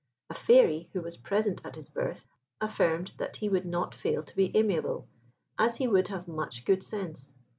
A Fairy, who was present at his birth, affirmed that he would not fail to be amiable, as he would have much good sense.